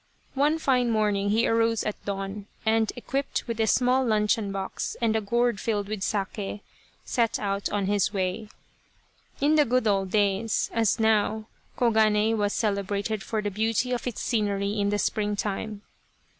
One fine morning he arose at dawn, and, equipped with a small luncheon box and a gourd filled with sake, set out on his way. In the good old days, as now, Koganei was cele brated for the beauty of its scenery in the springtime.